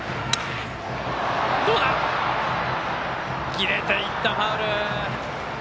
切れていった、ファウル。